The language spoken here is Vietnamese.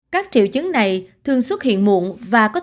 các triệu chứng này thường xuất hiện muộn và có thể khỏi mất